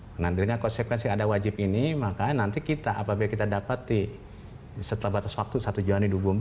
tidak ada penguatan yang ada wajib ini maka nanti kita apabila kita dapat di setelah batas waktu satu julani dua ribu sembilan belas